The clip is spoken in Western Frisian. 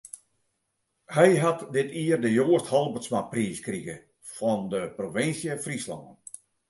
Hy hat dit jier de Joast Halbertsmapriis krige fan de Provinsje Fryslân.